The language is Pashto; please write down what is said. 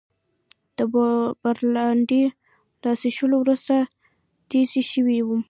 د برانډي له څښلو وروسته تږی شوی وم.